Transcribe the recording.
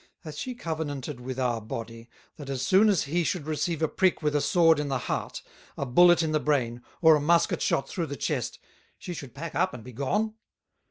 Hath she covenanted with our Body, that as soon as he should receive a prick with a Sword in the Heart, a Bullet in the Brain, or a Musket shot through the Chest, she should pack up and be gone?